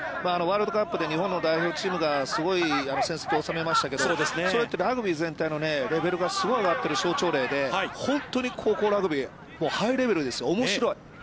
ワールドカップで日本の代表チームがすごい成績をおさめましたけど、それってラグビー全体のレベルがすごい上がっている象徴で本当に高校ラグビー、ハイレベルですよ、おもしろい。